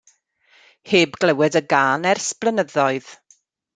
Heb glywed y gân ers blynyddoedd.